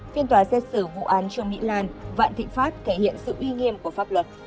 phiên tòa xét xử vụ án trương mỹ lan vạn thịnh pháp thể hiện sự uy nghiêm của pháp luật